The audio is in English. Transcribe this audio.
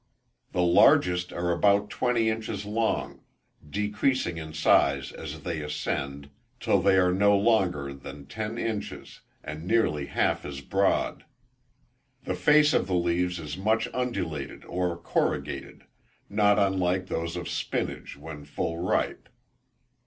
The largest are about twenty inches long, decreasing in size as they ascend, till they are not longer than ten inches, and nearly half as broad. The face of the leaves is much undulated, or corrugated, not unlike those of spinnage when full ripe.